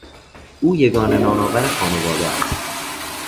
او یگانه نانآور خانواده است.